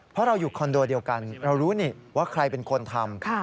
เพราะเราอยู่คอนโดเดียวกันเรารู้นี่ว่าใครเป็นคนทำ